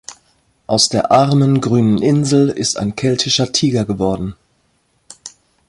Aus der armen grünen Insel ist ein keltischer Tiger geworden.